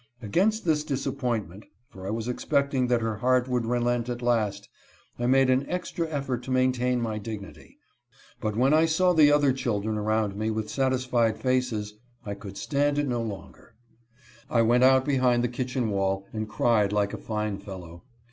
Against this disappointment, for I was expect ing that her heart would relent at last, I made an extra effort to maintain my dignity, but when I saw the other children around me with satisfied faces, I could stand it 36 my mother's visit. no longer. I went out behind the kitchen wall and cried like a fine fellow.